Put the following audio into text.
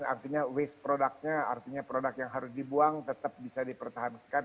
artinya waste product nya artinya produk yang harus dibuang tetap bisa dipertahankan